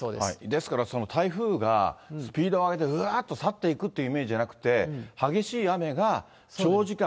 ですから、台風がスピードを上げてうわーっと去っていくというイメージじゃなくて、激しい雨が長時間